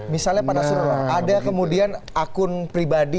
misalnya pada surat ada kemudian akun pribadi